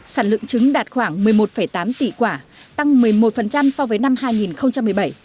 sản lượng trứng đạt khoảng một mươi một tám tỷ quả tăng một mươi một so với năm hai nghìn một mươi bảy